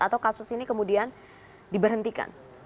atau kasus ini kemudian diberhentikan